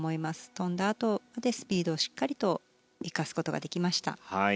跳んだあとスピードをしっかりと生かすことができました。